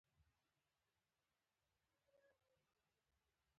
د موټر خرابوالي مخنیوی پاملرنه غواړي.